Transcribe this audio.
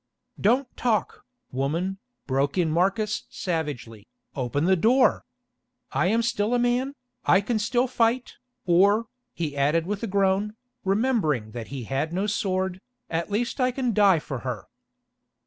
"Don't talk, woman," broke in Marcus savagely, "open the door. I am still a man, I can still fight, or," he added with a groan, remembering that he had no sword, "at the least I can die for her."